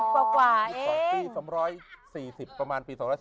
ปี๒๔๐ประมาณปี๒๔๐